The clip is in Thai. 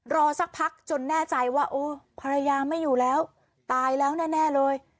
รอสักพักจนแน่ใจว่าโอ้ภรรยาไม่อยู่แล้วตายแล้วแน่เลย